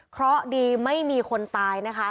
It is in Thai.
เพราะดีไม่มีคนตายนะคะ